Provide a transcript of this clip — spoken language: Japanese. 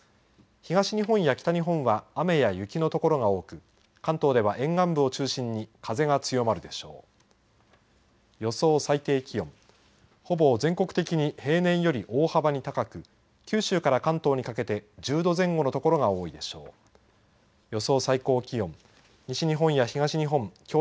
東日本や北日本は雨や雪の所が多く関東では沿岸部を中心に風が強まるでしょう。